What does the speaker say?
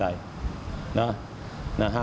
นี่แหละตรงนี้แหละ